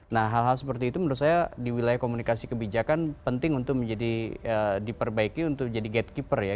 nah hal hal seperti itu menurut saya di wilayah komunikasi kebijakan penting untuk menjadi diperbaiki untuk jadi gatekeeper ya